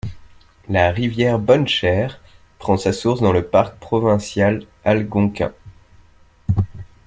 La rivière Bonnechère prend sa source dans le Parc provincial Algonquin.